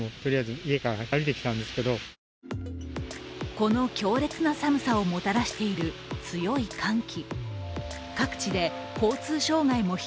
この強烈な寒さをもたらしている強い寒気。